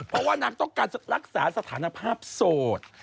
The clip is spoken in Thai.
เพราะว่านางต้องการรักษาสถานภาพโสด